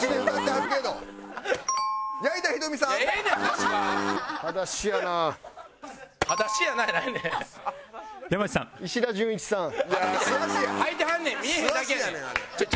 はいてはんねん見えへんだけで。